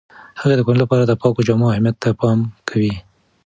هغې د کورنۍ لپاره د پاکو جامو اهمیت ته پام کوي.